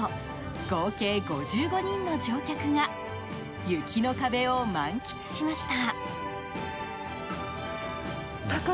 合計５５人の乗客が雪の壁を満喫しました。